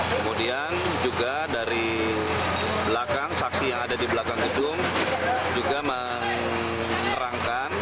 kemudian juga dari belakang saksi yang ada di belakang gedung juga menerangkan